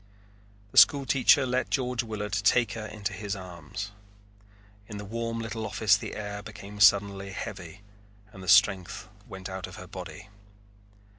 The school teacher let George Willard take her into his arms. In the warm little office the air became suddenly heavy and the strength went out of her body.